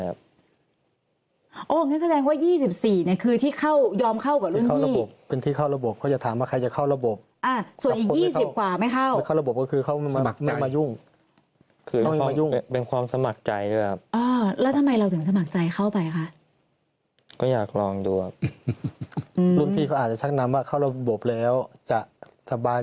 แล้วทำไมเราถึงสมัครใจเข้าไปค่ะก็อยากลองดูอ่ะอืมรุงที่เขาอาจจะแช่งน้ำว่าเข้าระบบแล้วจะสบาย